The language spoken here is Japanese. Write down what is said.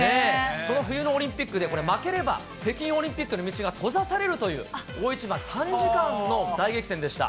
その冬のオリンピックでこれ、負ければ、北京オリンピックへの道が閉ざされるという、大一番、３時間の大激戦でした。